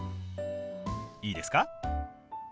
いいですか？